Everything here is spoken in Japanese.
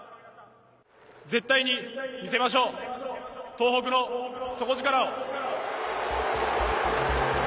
絶対に見せましょう東北の底力を。